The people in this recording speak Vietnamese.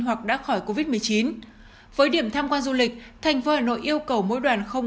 hoặc đã khỏi covid một mươi chín với điểm tham quan du lịch thành phố hà nội yêu cầu mỗi đoàn không